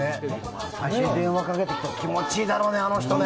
最初に電話かけてきた人気持ちいいだろうね。